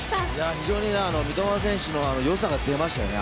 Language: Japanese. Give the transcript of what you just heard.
非常に三笘選手の良さが出ましたね。